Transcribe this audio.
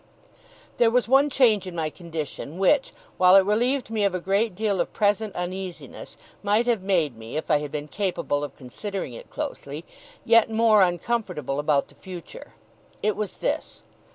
There was one change in my condition, which, while it relieved me of a great deal of present uneasiness, might have made me, if I had been capable of considering it closely, yet more uncomfortable about the future. It was this.